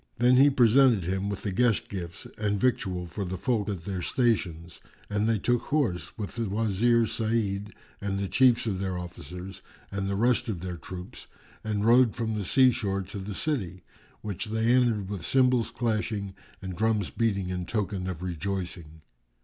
Then he presented him with the guest gifts and victual for the folk at their stations; and they took horse, with the Wazir Sa'id and the chiefs of their officers and the rest of their troops, and rode from the sea shore to the city, which they entered with cymbals clashing and drums beating in token of rejoicing.